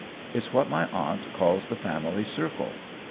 It's what my aunt calls the family circle.